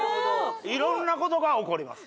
いろんなことが起こります